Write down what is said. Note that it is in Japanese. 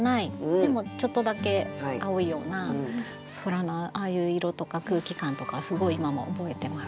でもちょっとだけ青いような空のああいう色とか空気感とかはすごい今も覚えてます。